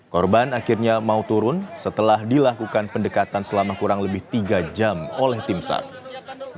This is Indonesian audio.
korban akhirnya mau turun setelah dilakukan pendekatan selama kurang lebih tiga jam oleh tim sar